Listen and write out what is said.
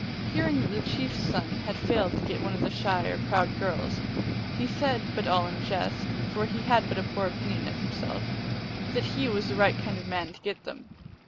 Hearing that the chief s son had failed to get one of the shy or proud girls, he said but all in jest, for he had but a poor opinion of himself that he was the right kind of a man to get them.